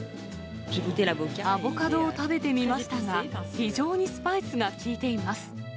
アボカドを食べてみましたが、非常にスパイスが効いています。